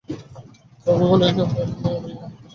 ভাব লইয়া রূপ, না, বর্ণ লইয়া?